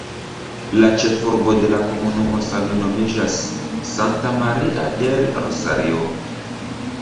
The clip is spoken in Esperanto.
La ĉefurbo de la komunumo same nomiĝas "Santa Maria del Rosario".